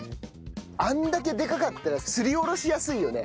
あれだけでかかったらすりおろしやすいよね。